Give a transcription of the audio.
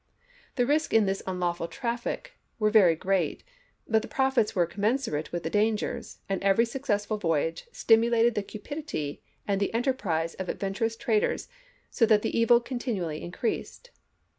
The risks in this unlawful traffic were very great, but the profits were commensurate with the dangers, and every successful voyage stimulated the cupidity and the enterprise of adventurous traders so that the evil continually increased.